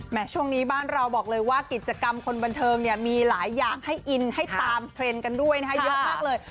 ช่วงนี้บ้านเราบอกเลยว่ากิจกรรมคนบันเทิงเนี่ยมีหลายอย่างให้อินให้ตามเทรนด์กันด้วยนะคะเยอะมากเลย